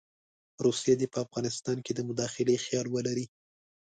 روسیه دې په افغانستان کې د مداخلې خیال ولري.